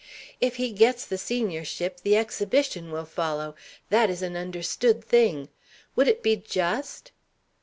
"If he gets the seniorship, the exhibition will follow; that is an understood thing. Would it be just?"